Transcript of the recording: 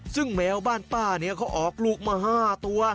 ซึ่งแมวบ้านป้าเนี่ยเขาออกลูกมา๕ตัว